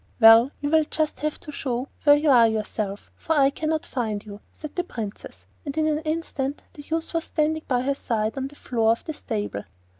'Well, you will just have to show where you are yourself, for I can't find you,' said the Princess, and in an instant the youth was standing by her side on the floor of the stable.